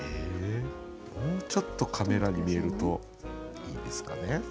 もうちょっとカメラに見えるといいですかね。